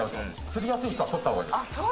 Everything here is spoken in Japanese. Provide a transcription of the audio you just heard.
つりやすい人は取ったほうがいいです。